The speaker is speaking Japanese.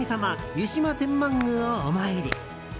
湯島天満宮をお参り。